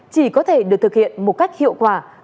chỉ có thể được thực hiện một cách hiệu quả